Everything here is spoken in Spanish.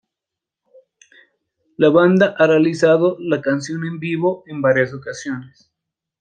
La banda ha realizado la canción en vivo en varias ocasiones.